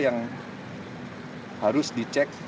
yang harus dicek